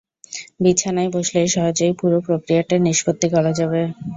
বিছানায় বসলে সহজেই পুরো প্রক্রিয়াটার নিষ্পত্তি করা যাবে।